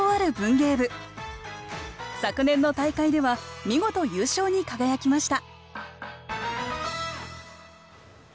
昨年の大会では見事優勝に輝きました